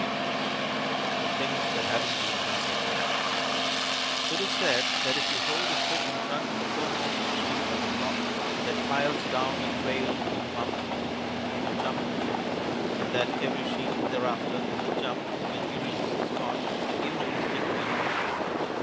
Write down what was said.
_ THE THINGS THAT HAVEN'T BEEN DONE BEFORE It is said that if you hold a stick in front of the foremost sheep in a flock that files down a trail in the mountains, he will jump it and that every sheep thereafter will jump when he reaches the spot, even if the stick be removed.